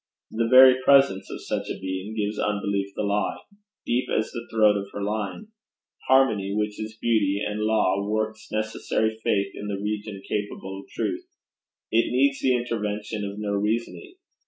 The very presence of such a being gives Unbelief the lie, deep as the throat of her lying. Harmony, which is beauty and law, works necessary faith in the region capable of truth. It needs the intervention of no reasoning.